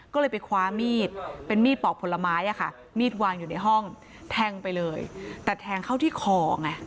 ก็เลยไปคว้ามีดเป็นมีดปอกผลไม้อะค่ะมีดวางอยู่ในห้องแทงไปเลยแต่แทงเข้าที่คอไง